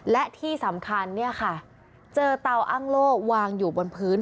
และที่สำคัญเนี่ยค่ะเจอเตาอ้างโล่วางอยู่บนพื้น